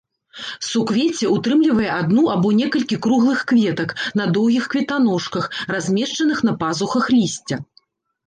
Суквецце ўтрымлівае адну або некалькі круглых кветак на доўгіх кветаножках, размешчаных на пазухах лісця.